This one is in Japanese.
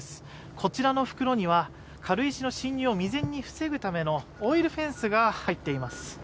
こちらの袋には軽石の侵入を未然に防ぐためのオイルフェンスが入っています